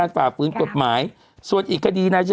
กรมป้องกันแล้วก็บรรเทาสาธารณภัยนะคะ